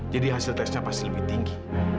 jadi hasil tesnya pasti lebih tinggi